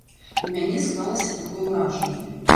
У мяне склалася такое ўражанне.